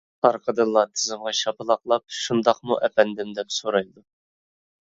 ئارقىدىنلا تىزىمغا شاپىلاقلاپ «شۇنداقمۇ، ئەپەندىم؟ » دەپ سورايدۇ.